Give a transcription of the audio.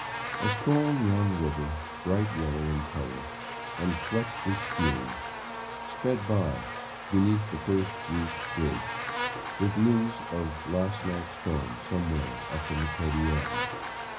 A strong young river, bright yellow in color and flecked with spume, sped by beneath the first roofed bridge, with news of last night's storm somewhere up in the Cordillera.